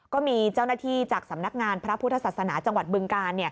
ก็มีเจ้าหน้าที่จากสำนักงานพระพุทธศาสนาจังหวัดบึงกาล